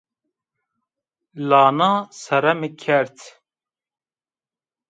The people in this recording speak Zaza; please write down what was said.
La na serre mi kerd